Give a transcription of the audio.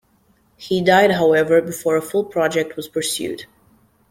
He died, however, before a full project was pursued.